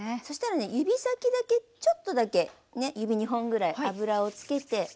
そしたらね指先だけちょっとだけ指２本ぐらい油を付けて。